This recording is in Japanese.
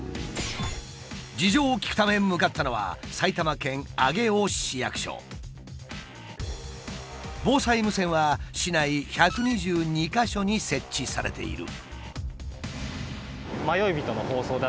事情を聞くため向かったのは防災無線は市内１２２か所に設置されている。